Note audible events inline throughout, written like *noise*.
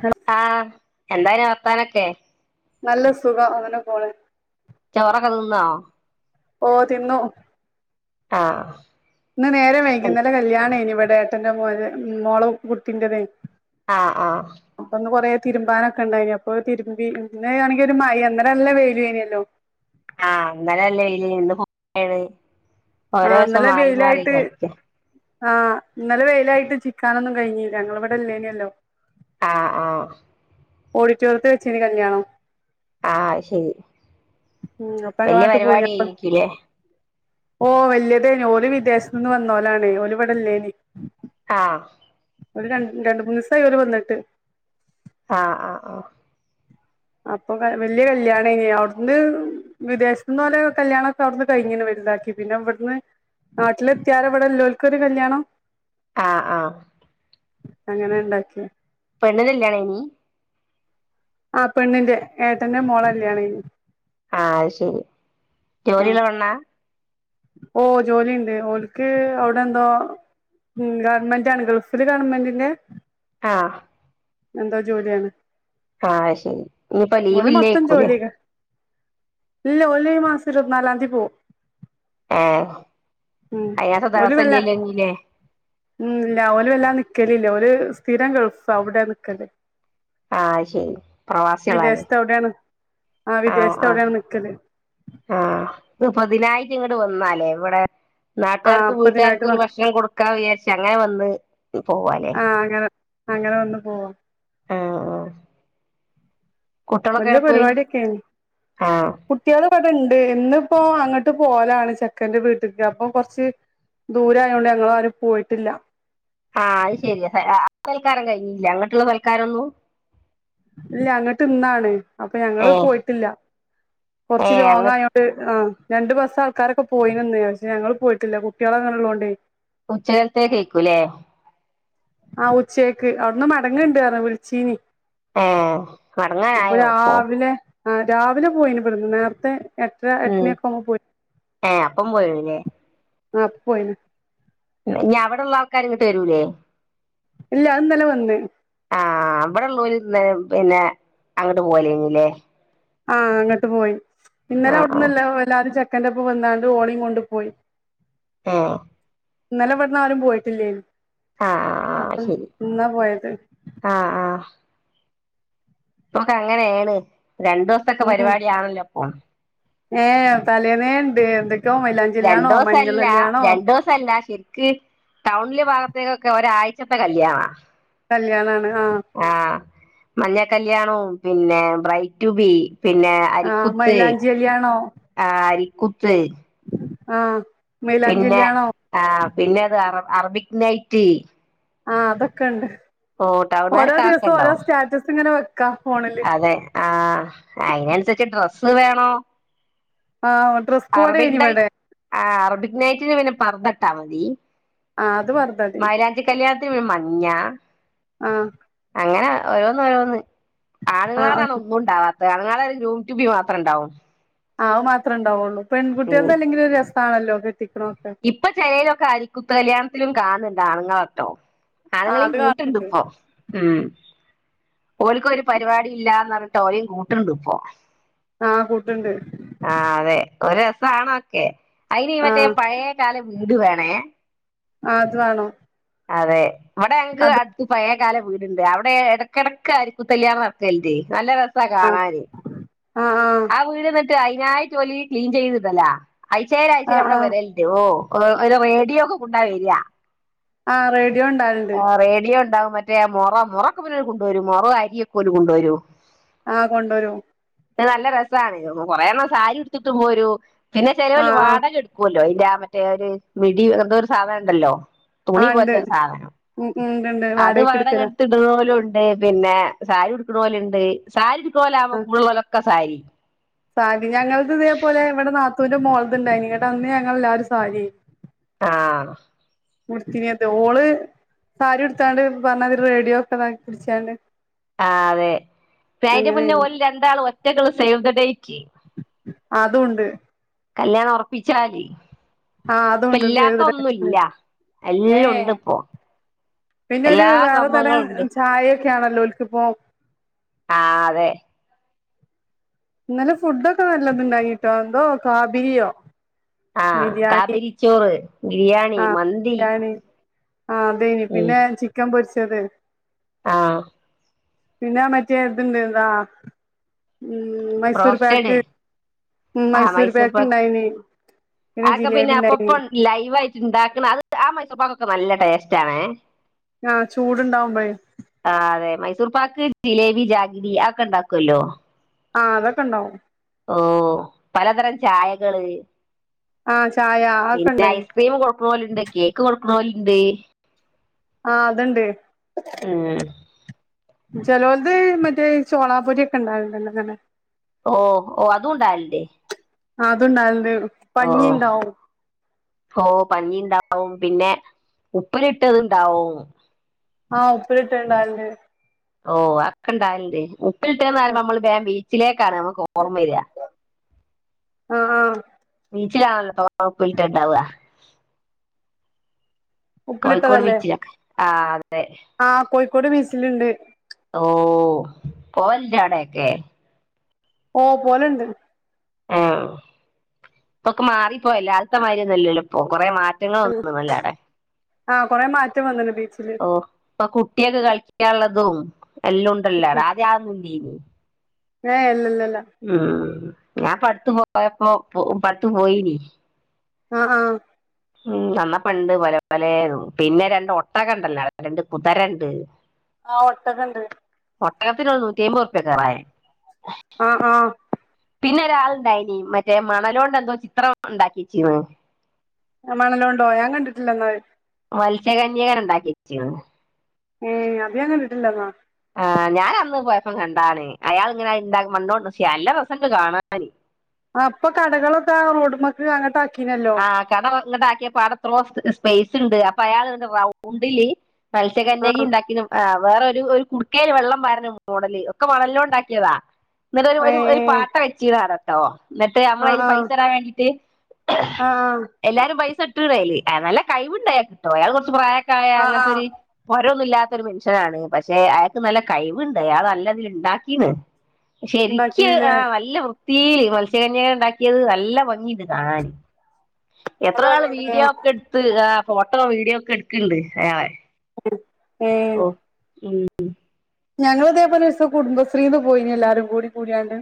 ഹ *unintelligible* ആഹ് എന്താ പിന്നെ വർത്താനൊക്കെ? നല്ല സുഖം അങ്ങനെ പോണ്. ചോറൊക്കെ തിന്നോ? ഓഹ് തിന്നു. ആഹ്- ഇന്ന് നേരം വൈകി ന്നെല കല്യാണേനു ഇവിടെ ഏട്ടന്റെ മോന്റെ ഉം മോള കുട്ടിന്റതേയ്. ആഹ് ആഹ്- അപ്പൊന്ന് കുറേ തിരുമ്പാനൊക്കെ ഉണ്ടായിനു അപ്പൊത് തിര്മ്പി ഇന്നാണെങ്കി ഒരു മയ. ഇന്നലെ ആണെങ്കി നല്ല വൈലോയിനല്ലോ. ആഹ് ഇന്നലെ നല്ല വെയിലേനി ഇന്ന് ഇപ്പൊ മഴേണ് ആ ഓരോ ദിവസം മാറി മാറി കളിക്ക ആഹ് ഇന്നലെ വെയിലായിട്ട് ചിക്കാനൊന്നും കഴിഞ്ഞില്ല ഞങ്ങള് ഇവടെ ഇല്ലേനിയല്ലോ ആഹ് ആഹ് ഓഹ് ഓഡിറ്റോറിയത്ത് വെച്ചേനി കല്യാണം ആഹ് അഹ്ശരി ഉം അപ്പൊ വല്യ ഞങ്ങളങ്ങട്ട് പരിപാടി ഏനിയേക്കുല്ലേ? ഓഹ് വല്യതേനി ഓല് വിദേശത്തൂന്ന് വന്നോലാണേ ഓല് ഇവടെല്ലേനി ആഹ് ഓല് രണ്ട് രണ്ട് മൂന്നീസായി ഓല് വന്നിട്ട് ആഹ് ആഹ് ആഹ് അപ്പൊ വല്ല്യ കല്യാണേനി അവിടുന്ന് വിദേശത്ത്ന്ന് ഓലെ കല്യാണൊക്കെ അവിടുന്ന് കഴിഞ്ഞിണ് വലുതാക്കിട്ട് പിന്നെ ഇവിടുന്ന് നാട്ടില് എത്തിയാരെ എവിടെല്ലോൽക്ക് ഒര് കല്യാണം ആഹ് ആഹ് അങ്ങനെ ഇണ്ടാക്കിയ പെണ്ണ്ന്റെ കല്യാണേനി? ആഹ് പെണ്ണിന്റെ ഏട്ടന്റെ മോളെ കല്യാണേനി ആഹ് അഹ്ശരി ജോലിയുള്ള പെണ്ണാ? ഓഹ് ജോലിയിണ്ട് ഓൽക്ക് അവിടെ എന്തോ? ഉം ഗവൺമെന്റാണ് ഗൾഫില് ഗവൺമെന്റിന്റെ ആഹ് എന്തോ ജോലിയാണ് ആഹ് അഹ് ശരി ഇനിയിപ്പെ ലീവ് ഓല് മൊത്തം ഇല്ലേക്കൂല്ലേ? ജോലിയൊക്കെ ഇല്ല ഓല് ഈ മാസം ഇരുപത്തിനാലാം തീയതി പോവും ആഹ് ഉം അയിനാത്രം ഓല് ദിവസം വല്ലാ ഇല്ലിയല്ലോ ഇഞ്ഞ് ലേ? ഉം ഇല്ല ഓല് വല്ലാ നിക്കലില്ല ഓര് സ്ഥിരം ഗൾഫാ അവിടെ നിക്കല് ആഹ് അത് ശരി പ്രവാസികളാല്ലേ വിദേശത്ത് അവിടെയാണ് ആഹ് വിദേശത്ത് അവിടെയാണ് നിക്കല് ആഹ് ഇപ്പ അതിനായിട്ട് ഇങ്ങട്ട് വന്നാലേ ഇവടെ? ആ നാട്ടുകാർക്കും അപ്പ ഇതിനായിട്ട് വീട്ടുകാർക്കും വ ഒരു ഭക്ഷണം കൊടുക്കാ വിയാരിച്ച് അങ്ങനെ വന്ന് പോവാലേ? ആ അങ്ങനെ അങ്ങനെ വന്ന് പോവാ ആഹ് ആഹ് വല്യ പോയി പരിപാടിയെക്കേനി ആഹ് കുട്ടിയോള് ഇവടെണ്ട് ഇന്നിപ്പോ അങ്ങട്ട് പോവലാണ് ചെക്കന്റെ വീട്ട്ക്ക് അപ്പൊ കൊറച്ച് ദൂരായോണ്ട് ഞങ്ങളാരും പോയിട്ടില്ല ആഹ് അത് ശരിയാലെ ആ സൽക്കാരം കഴിഞ്ഞില്ല അങ്ങട്ട്ള്ള സൽക്കാരൊന്നും ഇല്ല അങ്ങട്ട് ഇന്നാണ് അപ്പൊ ഞങ്ങള് ഏഹ് പോയിട്ടില്ല കൊറച്ച് ഏഹ് അങ്ങ ലോങ്ങായോ ണ്ട് ആഹ് രണ്ട് ബസ്സ് ആൾക്കാരൊക്കെ പോയിണ്ന്ന് പക്ഷെ ഞങ്ങള് പോയിട്ടില്ല കുട്ട്യോള് ഇങ്ങനെ ഇള്ളോണ്ടേ ഉച്ചകത്തേക്ക്‌ എയ്ക്കൂല്ലേ? ആഹ് ഉച്ചേക്ക് അവിടുന്ന് മടങ്ങ്ണ്ട് പറഞ്ഞു വിളിച്ചീനി ഏഹ് മടങ്ങാനായോ ഇപ്പൊ? ആഹ് രാവിലെ പോയിണ് ഇവട്ന്ന് നേരത്തെ എട്ടര എട്ട് ഉം മണിയൊക്കെ ആവുമ്പോ പോയിണ് ഏഹ് അപ്പം പോയില്ലേ ആഹ് അപ്പൊ പോയിണ് ഇഞ്ഞ് അവിടെള്ള ആൾക്കാര് ഇങ്ങട്ട് വരൂലേ? ഇല്ല അഹ് ഇന്നലെ വന്ന് ആഹ് ഇബടെ ഇള്ളോല് ഇന്ന് പിന്നെ അങ്ങട്ട് പോവലേനിയില്ലേ? ആഹ് അങ്ങോട്ട് പോയി ഇന്നലെ ആഹ് അവിടുന്ന് ആഹ് എല്ലാ എല്ലാരും ചെക്കന്റൊപ്പം വന്ന്ക്കാണ്ട് ഓളേം കൊണ്ട് പോയി ആഹ് ഇന്നലെ ഇവട്ന്ന് ആരും പോയിട്ടില്ലേനു ആഹ് ആഹ് അപ്പം ശരി ഇന്നാ പോയത് ആഹ് ആഹ് ഇപ്പോക്കെ അങ്ങനെണ് രണ്ടു ദിവസത്തൊക്കെ പരിപാടിയാണല്ലൊപ്പോം ഏഹ് തലേന്നേണ്ട് എന്തൊക്കെയോ മൈലാഞ്ചി കല്യാണോ മഞ്ഞൾ രണ്ടുസല്ല കല്യാണോ രണ്ടുസം അല്ല ശെരിക്ക് ടൗണിലെ ഭാഗത്തേക്കൊക്കെ ഒരാഴ്ച്ചത്തെ കല്യാണ കല്യാണാണ് ആഹ് ആഹ് മഞ്ഞൾ കല്യാണും പിന്നെ ബ്രൈഡ് ടു ബി പിന്നെ ആ അരിക്കുത്ത് മൈലാഞ്ചി ആഹ് അരിക്കുത്ത് ആഹ്, പിന്നെ മൈലാഞ്ചില്ലൃണം ആഹ്, പിന്നെ താ അറ അറബിക് നൈറ്റ്. ആഹ്, അതൊക്കെണ്ട് ഓ ഓരോ ടൗണുകാർക്കൊക്കെ ദിവസം ഉണ്ടോ ഓരോ സ്റ്റാറ്റസ് ഇങ്ങനെ വെക്കാ ഫോണിൽ. അതെ. ആഹ്, അയിനൻസര്ച്ച് ഡ്രസ്സും വേണേം. ആഹ്, ഡ്രസ് കോഡൈനിവടെ. ആഹ്, അറബിക് നൈറ്റിന് പിന്നെ പർതട്ടാ മതി. ആഹ് അത് പറ മൈലാഞ്ചി കല്യാത്തിന് പിന്നെ മഞ്ഞ. ആ അങ്ങനെ ഓരോന്ന്, ഓരോന്ന്, ആ ആണുങ്ങളേടാണ് ഒന്നും ണ്ടാവാത്ത് ആണുങ്ങളോടൊരു ഗ്രൂമ് റ്റു ബി മാത്രണ്ടാവും. ആഹാ അഹ് മാത്രേണ്ടാവെള്ളൂ. ഉം പെൺകുട്ട്യാൾതെല്ലെങ്കിലൊര് രെസാണല്ലോ. കെട്ടിക്ക്ണതൊക്കെ ഇപ്പൊ ചെലെയ്ലൊക്കെ ആരിക്കുത്ത് കല്യാണത്തിലും, കാണുന്നുണ്ട് ആണുങ്ങളട്ടോ. ആ ആണ്ങ്ങളിം അത് കൂട്ട്ണ്ട് കാണണ്ട് പ്പോ ഉം. ഓൽക്കൊര് പരിപാടി ഇല്ലാന്നർഞ്ഞിട്ട് ഓലിം കൂട്ട്ണ്ട് പ്പോ. ആഹ് കൂട്ട്ണ്ട്. ആഹ് വെ ഒര് രെസാണൊക്കെ, അയ്നീ ആ മറ്റേ, പഴെകാല വീട് വേണേ. ആഹ് അത് വാണം അതെ, ഇവിടെ ഞങ്ങ്ക്ക് അട്ത്ത് പഴെകാല വീട്ണ്ട് അവടെ ഏതൊ എടകെടക്ക് അരിക്കുത്ത് കല്യാണം നട്ക്കല്ണ്ട്. നല്ല രെസാ ആ കാണാന്. ആ ആഹ് വീട് ന്നിട്ട് ന്നെട്ട് അയിനായിട്ട് ഓല് ക്ലീൻ ചെയ്തിടലാ, അയ്ച്ചേല്, ആ ആയ്ച്ചേല് ആ അവടെ ആ വെരല്ണ്ട് ഓഹ്, ഒരു റേഡിയോ ഒക്കെ കൊണ്ടാ വെര്യ ആ റേഡിയോ ഉണ്ടാവലുണ്ട് ആഹ് റേഡിയോ ണ്ടാവും മറ്റ് മറ്റേ മൊറം മൊറൊക്കെ പിന്നോല് കൊണ്ടോരും. മൊറോ അരിയൊക്കെ ഓല് കൊണ്ടോരും. ആഹ് കൊണ്ടോരും. നല്ല രെസാണ് കൊറെണ്ണം സാരി ഉട്ത്ത്ട്ട് പേരും. പിന്നെ ആ ചെലേര് ആ വാടക എട്ക്കും ഇട്ക്കോല്ലോ, അയിന്റെ ആഹ് മറ്റേ ഒര് മിടി എന്തേര് സാധനണ്ടല്ലോ ആ തുണി ഉണ്ട് പോൽത്ത സാധനം ഉം ഉം ഇണ്ട്, ണ്ട്. അത് വാടക എട്ത്ത്ട്ണേല്ണ്ട്. പിന്നെ സാരി ഉടുക്ക്ണേല്ണ്ട്. സാരിട്ക്ക്ണേലാവുമ്പേ കൂടള്ളേരെക്കെ സാരി. സാരി ഞങ്ങൾത് ഇതേ പോലെ വടെ നാത്തൂന്റെ മോള്ത്ണ്ടായ്നി ന്നട്ട് അന്ന് ഞങ്ങള് ഏല്ലാരും സാരിഎയ്നി ആഹ്. ഉട്തീനത് ഓള് സാരി ഉട്ത്താണ്ട് പറഞ്ഞാതിരി റേഡിയോ ഒക്കെതാക്കി പിട്ച്ചാണ്ട്. ആഹ്, അതെ. പെ അയിന്റെ മുന്നേ അങ്ങനെയായിരുന്നു ഓല് രണ്ടാളും ഒറ്റക്ക്ള്ള സേവ് ദ ഡേറ്റ്. അതുണ്ട്. കല്യാണം ഒറപ്പിച്ചാല്. ആഹ് ഇപ്പ അതുണ്ട് സേവ് ഇല്ലാത്ത ദ ഡേറ്റിന്റെ ഒന്നുല്ല. എല്ലം ഉണ്ട് ഇപ്പോ. പിന്നൊരു എല്ലാ വേറെ തരം സംഭവങ്ങളും ഉണ്ട് ചായൊക്കേണല്ലോ ഓൽക്കിപ്പം. ആഹ് അതെ. ഇന്നലെ ഫുഡൊക്കെ, നല്ലതുണ്ടായിനിട്ടോ. എന്തോ കാ ബീര്യാെ. ആഹ് കാബിരിച്ചോറ്, ബിരിയാണി, ആഹ് മന്തി. ബിരിയാണി ആഹ്. അതേയ്നി. പിന്നെ ചിക്കൻ പൊരിച്ചെത്. ആഹ്. പിന്നെ മറ്റെ ഇത്ണ്ട് എന്താ ഉം മൈസൂർ പാക്ക്. ആഹ് മൈസൂർ പാക്ക്. അതൊക്കെ പിന്നെ ജിലേബി അപ്പ ഉണ്ടായിനി പ്പൺ ലൈവായിട്ട് ഇണ്ടാക്ക്ണ അത് ആ മൈസൂർപാക്കൊക്കെ നല്ല ടേസ്റ്റാണെ. ആഹ്. ചൂടുണ്ടാവുമ്പഴേ. ആഹ്. അതെ മൈസൂർ പാക്ക്, ജിലേബി, ജാഗിരി, അതെക്കെ ഇണ്ടാക്കൊല്ലോ. ആഹ്. അതൊക്കെ ഇണ്ടാവും. ഓഹ്. പലതരം ചായകള്. ആഹ് ചായ അതൊക്കെ പിന്നെ ഉണ്ടായിനി ഐസ്ക്രീം കൊട് ണോല്ണ്ട്. കേക്ക് കെട്ക്ക്ണോല്ണ്ട്. ആ അത്ണ്ട്. ഏഹ്. ചെലോൽത് മറ്റേ ചോളാപൊരി ഒക്കെ ഇണ്ടാവൽണ്ടല്ലൊ ഇങ്ങനെ. ഓഹ് ഓഹ്. അതുണ്ടാവൽല്ലെ. അത് ഇണ്ടാവൽണ്ട്. ഓഹ് ഓഹ് പഞ്ഞി ഇണ്ടാവും. പിന്നെ ഉപ്പ്ല് ഇട്ടത് ഇണ്ടാവും. ആഹ്. ഉപ്പിലിട്ടെ ഇണ്ടാവൽണ്ട്. ഓഹ്. അഹ് ഒക്കെ ഇണ്ടാവൽണ്ട്. ഉപ്പിലിട്ടെന്നെറിയുമ്പം നമ്മള് ബേം ബീച്ചിലേക്കാണ് നമക്ക് ഓർമ്മ വെര. ആഹ് ബീച്ച്ലാണല്ലോ *unintelligible* ഉപ്പിലിട്ടെ ഇണ്ടാവ. കോഴിക്കോട് ബീച്ചിലൊക്കെ ആഹ്. അതെ. ആഹ് കോഴിക്കോട് ബീച്ച്ല്ണ്ട്. ഓഹ് പോവൽണ്ടൊ. ആടെയൊക്കെ. ഓഹ് പോവല്ണ്ട്. ആഹ്. ഇപ്പൊക്കെ മാറിപ്പോയല്ലൊ. ആദ്യത്ത മാതിരി ഒന്നു അല്ലല്ലോ ഇപ്പൊ കൊറേ മാ റ്റങ്ങള് വെന്ന്ണല്ലൊ ആടേ. ആ കൊറേ മാറ്റം വന്ന്ണ് ബീച്ച്ല്. ഇപ്പ കുട്ട്യേക്ക് കളിക്കാള്ളതും എല്ലുണ്ടല്ലൊ ആടെ. ആദ്യ അതൊന്നു ഇല്ലേനി. ഏഹ് ഇല്ല ഇല്ലല്ല ഉം ഞാൻ ഇപ്പട്ത്ത് പോയപ്പോ ഇപ്പട്ത്തു പോയിനി. ആഹ് ഉം വന്നപ്പ ഇണ്ട്. പല പലേതും പിന്നെ രണ്ട് ഒട്ടകം ഇണ്ടല്ലൊ. രണ്ട് കുതരണ്ട്. ആഹ് ഒട്ടകം ഇണ്ട്. ഒട്ടകത്തിന് നൂറ്റിഅയിമ്പ് ഉർപ്യെ കേറാന്. ആഹ് ആഹ് പിന്നെ ഒരാള്ണ്ടായിനി. മറ്റെ മണലോണ്ട് എന്തോ ചിത്ര ഒക്കെ ഉണ്ടാക്കിച്ച്ണ്. ആഹ് മണലോണ്ടൊ. ഞാൻ കണ്ടിട്ടില്ല ഇന്നാല്. മത്സ്യകന്യകനെ ഇണ്ടാക്കി വെച്ചീന്നു ഉം അത് ഞാൻ കണ്ടിട്ടില്ലന്നാ ആഹ് ഞാന് അന്ന് പോയപ്പം കണ്ടാണ്. അയാള് ഇങ്ങനെ അയ് ഇണ്ടാ മണ്ണോണ്ട് *unintelligible* നല്ല രസണ്ട് കാണാ ആ ഇപ്പ കടകളൊക്കെ റോഡ്മക്ക് അങ്ങട്ട് ആക്കീണല്ലോ. ആ കട അവ ഇങ്ങട്ട് ആക്കിയപ്പോ ആടെ എത്രോ സ് സപെയിസ് ഇണ്ട്. അപ്പൊ അയാള് ഇങ്ങട്ട് റൗണ്ടില് ആ മത്സ്യകന്യകി ഇണ്ടാക്കീന്നു ആ വേറെ ഒരു ഒരു കുടു ക്കേല് വെള്ളം പാര്ണ മോഡല് ഒക്കെ മണലിൽ ഓൻ നോണ്ട് ഇണ്ടാക്കിയതാ. ഇന്നട്ട് ഒരു ഒരു ഏ പാട്ട വെച്ചീണാടെ ട്ടോ ഇന്നിട്ട് നമ്മള് അയില് പൈസ ഇടാൻ വേണ്ടിട്ട്. ആഹ് എല്ലാരും പൈസ ഇട്ട്ണ് അയില്. ഏ നല്ല കഴിവ് ഇണ്ട് അയാക്ക്ട്ടോ അയാള് കൊർച്ച് പ്രായൊക്കായ ആ ആ ആ അങ്ങത്തൊര് പൊരൊന്നുല്ലാത്തൊരു മൻഷ്യനാണ്. പക്ഷെ അയാക്ക് നല്ല കഴിവ്ണ്ട്. അയാള് നല്ലതില് ഇണ്ടാക്കീണ്. ശെരിക്ക് ഉണ്ടാക്കീനല്ലേ ആഹ് നല്ല വൃത്തീല് മത്സ്യകന്യനെ ഇണ്ടാക്കിയത് നല്ല ഭംഗി ഇണ്ട് കാണാന്. എത്ര നല്ല ആള് ഭംഗിയുണ്ടല്ലേ വീഡിയോ ഒക്കെ എട്ത്ത് ആഹ് ഫോട്ടോ വീഡിയോ ഒക്കെ ഇട്ക്ക്ണ്ട് അയാളെ. ഓഹ് ഉം ഉം ഞങ്ങളിതേ പോലെ ഒരീസം കുടുംബശ്രീന്ന് പോയിനി എല്ലാരും കൂടി കൂടിയാണ്ട്.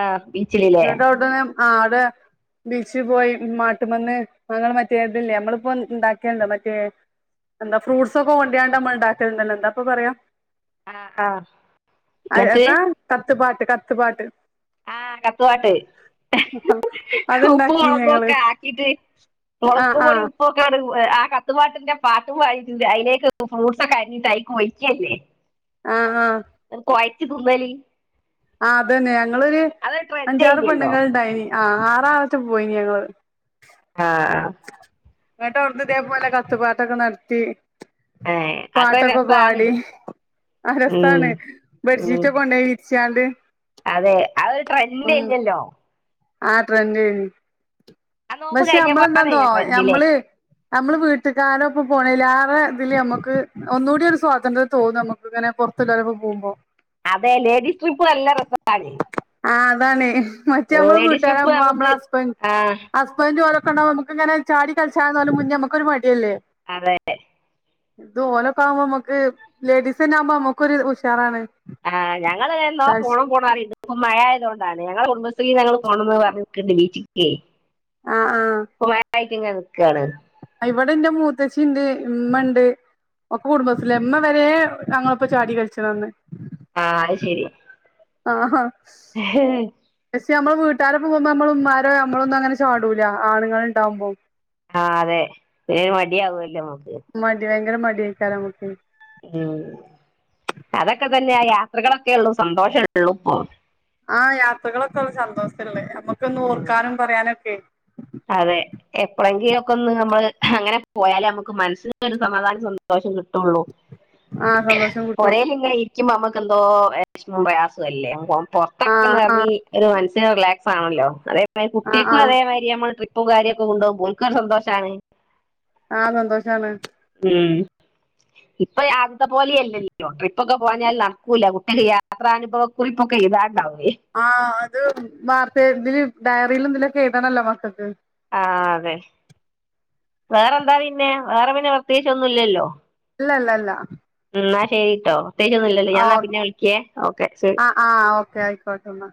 ആഹ്, ബീച്ചില് *unintelligible* ബീച്ച് പോയി മാട്ട്മ്മന്ന് അങ്ങനെ മറ്റേ ഇത് ല്ലേ നമ്മള്പ്പോ ഇണ്ടാക്കിയേണ്ടേ മറ്റേ എന്താ ഫ്രൂട്സ് ഒക്കെ കൊണ്ടയാണ്ട് നമ്മള് ഇണ്ടാക്കൽണ്ടല്ലോ എന്താപ്പൊ പറയ ആ ആ അയ് എന്നിട്ട് എത്താ കത്ത്പാട്ട് കത്ത്പാട്ട്. ആഹ് കത്തുപാട്ട് ഉപ്പു അത്ണ്ടാക്കി മൊളകു ഞങ്ങള് ഒക്കെ ആക്കീട്ട്. ആ മൊളക് ആ പൊടി ഉപ്പും ഒക്കെട് എ ആ കത്തുപാട്ടിന്റെ പാട്ടും പാടീട്ട് അതിലേക്ക് ഫ്രൂട്ട്സൊക്കെ അരിഞ്ഞിട്ട് അയിക്ക് ഒഴിക്കല്ലേ *inaudible* ആഹ് അത് കൊയച്ച് തിന്നല് ആ അതന്നെ ഞങ്ങള് അതൊരു ട്രെൻഡ് അഞ്ചാറ് കഴിഞ്ഞല്ലോ പെണുങ്ങളിണ്ടായിനി ആ ആറാളറ്റെ പോയിനി ഞങ്ങള് ആഹ് ആഹ് ഇന്നിട്ടവിടുന്നിതേ പോലെ കത്ത്പാട്ടക്കെ നടത്തി ഏ അതൊക്കെ ഒരു പാട്ടൊക്കെ രസാണ് പാടി അഹ് ഉം രസാണ് ഉം ബെഡ്ഷീറ്റ് കൊണ്ടോയി വിരിച്ചാണ്ട് അതെ അതൊരു ഉം ട്രെൻടെരുന്നല്ലോ ആ ട്രെൻടെന് ആ നോമ്പ് പക്ഷെ കഴിഞ്ഞ പാടെ നമ്മളെന്താന്നോ ഞാൻ ട്രെൻഡിലേ ഞമ്മള് നമ്മള് വീട്ടുകാരൊപ്പം പോണയിലാറെ ഇതില് നമുക്ക് ഒന്നുകൂടിയൊരു സ്വാതന്ത്ര്യം തോന്നു നമു ഇത് ഇങ്ങനെ പൊറത്ത്ല്ലോരൊപ്പം പോവുമ്പൊ അതെ ലേഡീസ് ട്രിപ്പ് നല്ല രസണ്ടായിന് ആഹ് അതാണ് മറ്റേ നമ്മള് ട്രിപ്പ് വീട്ടുകാരെപ്പം നമ്മളെ നമുക്ക് ഹസ്ബൻ ആ ഹസ്ബന്റ് ഓലൊക്കെ ഒണ്ടാവുമ്പൊ നമു ഇതിങ്ങനെ ചാടി കളിച്ചാന്നാലും മുന്നേ നമ്മക്കൊരു മടിയല്ലേ അതെ ലേ ഇത് ഓലൊക്കെ ആവുമ്പ മ്മക്ക് ലേഡീസിനാവുമ്പൊ അമ്മക്കൊരു ഉഷാറാണ് ആഹ് ഞങ്ങള് എന്നോ കളിച്ച് പോണം പോണന്നറീണ് ണ്ട് ഇപ്പം മഴയായത് കൊണ്ടാണേ ഞങ്ങളെ കുടുംബശ്രീന്ന് ഞങ്ങള് പോണന്ന് പറഞ്ഞിക്ക്ണ്ട് ബീച്ചിക്കെ ആഹ് ആഹ് ഇപ്പൊ മയായിട്ടിങ്ങനെ നിക്കാണ് ഇവിടെൻ്റെ മൂത്തശ്ശിയിണ്ട് ഇമ്മയിണ്ട് ഒക്കെ കുടുംബശ്രീയില ഇമ്മ വരെ ഞങ്ങളിപ്പ ചാടി കളിച്ചതാന്ന് ആഹ് ആയ്ശെരി ആ ഹാ *unintelligible* പക്ഷേ നമ്മള് വീട്ടരോപ്പ പോമ്പം നമ്മൾടെ ഉമ്മാരെ നമ്മളൊന്നും അങ്ങനെ ചാടൂലാ ആണുങ്ങളുണ്ടാവുമ്പം ആണുങ്ങളുണ്ടാവുമ്പം ആ അതെ ഭയങ്കര മടിയാവൂല്ലോ നമുക്ക് മടി ഭയങ്കര മടിയായ്കാരം നമുക്ക് മ്മ് അതൊക്കെ തന്നെ ആ യാത്രകളൊക്കെള്ളു സന്തോഷോള്ളൂപ്പൊ ആ യാത്രകളൊക്കെ സന്തോഷത്തില്ലേ നമ്മുക്കൊന്ന് ഉം. ഓർക്കാനും പറയാനൊക്കെ അതെ എപ്പളെങ്കിലും ഒക്കെ ഒന്ന് നമ്മള് അങ്ങനെ പോയാലേ നമുക്ക് മനസ്സിനൊരു സമാധാനം സന്തോഷം കിട്ടുള്ളൂ ആഹ് സന്തോഷം കിട്ടും പോരെലിങ്ങനെ ഇരിക്കുമ്പ നമ്മുക്കെന്തോ വെഷമവും പ്രയാസല്ലേ അങ്ങ് പോ ആഹ് പൊറത്തൊക്കെന്നെറങ്ങി ആഹ് ഒരു മനസ്സിനൊരു റിലാക്സാണല്ലോ അതേമാതിരി ആഹ് കുട്ടിക്കും ആഹ് അതേമാതിരി അമ്മള് ട്രിപ്പും കാര്യൊക്കെ കൊണ്ടോ ഓൽക്കൊരു സന്തോഷാണ് ആ സന്തോഷാണ് മ്മ് ഇപ്പ ആദ്യത്തെ പോലെയല്ലല്ലൊ ട്രിപ്പൊക്കെ പോഞ്ഞാൽ നടക്കൂല്ല കുട്ടിക്ക് യാത്രാനുഭവ കുറിപ്പൊക്കെ എയുതാനുണ്ടാവുവേ ആഹ് അത് വാർത്ത ഇതില് ഡയറില് എന്തലക്കെ എഴുതനല്ലൊ മക്കക്ക് ആ അതെ വേറെന്താ പിന്നെ വേറെ പിന്നെ പ്രത്യേകിച്ചൊന്നുയില്ലല്ലോ ഇല്ലല്ലല്ല എന്നാ ശരിട്ടോ പ്രത്യേകിച്ചൊന്നുയില്ലല്ലോ ഞാനന്ന ആഹ് പിന്നെ വിളിക്കേ ഓക്കെ ശരി ആഹ് ആഹ് ഓക്കെ ആയിക്കോട്ടെന്ന